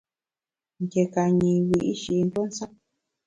Nké ka nyi wiyi’shi ntuo nsap.